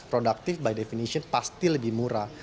productive by definition pasti lebih murah